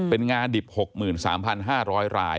เป็นงาดิบ๖๓๕๐๐ราย